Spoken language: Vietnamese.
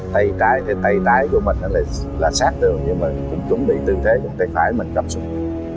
tay trái thì tay trái của mình là sát đường nhưng mà cũng chuẩn bị tư thế tay phải mình cầm súng